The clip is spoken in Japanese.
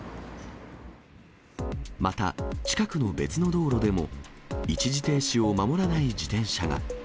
また近くの別の道路でも、一時停止を守らない自転車が。